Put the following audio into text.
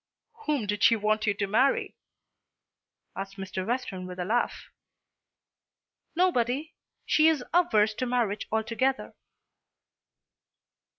"Whom did she want you to marry?" asked Mr. Western with a laugh. "Nobody. She is averse to marriage altogether."